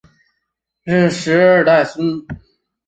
挚峻的第十二代孙。